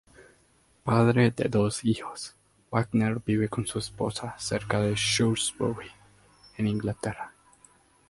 Padre de dos hijos, Wagner vive con su esposa cerca de Shrewsbury, en Inglaterra.